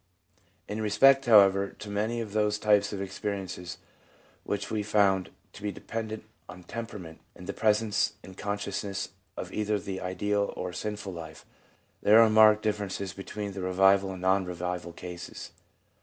In respect, however, to many of those types of experi ence which we have found to depend on temperament and the presence in consciousness of either the ideal or sinful life, there are marked differences between the revival and non revival cases.